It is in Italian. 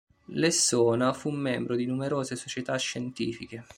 Lessona fu membro di numerose società scientifiche.